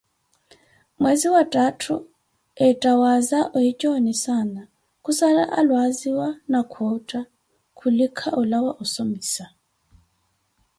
Mweze wa thaathu, eetha waza ohitxonissana, khussala alwaziwa na khootha, khulika oolawa ossomima